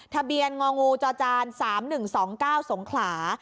ทะเบียนงองูจจ๓๑๒๙สงขลา